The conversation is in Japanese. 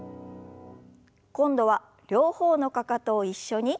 今度は両方のかかとを一緒に。